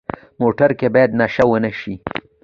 موټر کې باید نشه ونه شي.